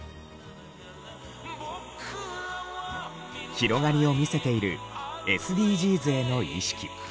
広がりを見せているＳＤＧｓへの意識。